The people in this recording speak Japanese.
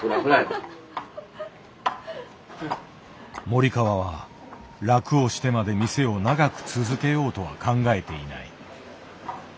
森川は楽をしてまで店を長く続けようとは考えていない。